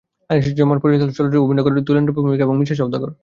আনিসুজ্জামান পরিচালিত চলচ্চিত্রটিতে অভিনয় করেন দুলেন্দ্র ভৌমিক এবং মিশা সওদাগর।